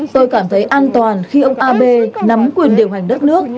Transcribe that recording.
tôi cảm thấy an toàn khi ông ab nắm quyền điều hành đất nước